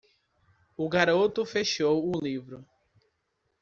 O garoto fechou o livro.